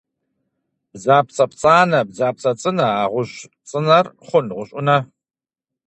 Бдзапцӏэ пцӏанэ бдзапцӏэ цӏынэ, а гъущӏ цӏынэр хъун гъущӏ ӏунэ?